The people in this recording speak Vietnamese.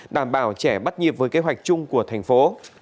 đảm bảo trẻ bắt nhịp với kế hoạch chung của thành phố